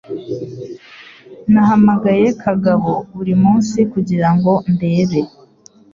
Nahamagaye Kagabo buri munsi kugirango ndebe